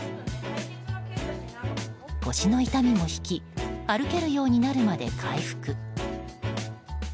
腰の痛みも引き歩けるようになるまで回復。